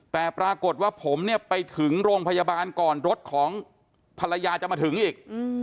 แต่ปรากฏว่าผมเนี่ยไปถึงโรงพยาบาลก่อนรถของภรรยาจะมาถึงอีก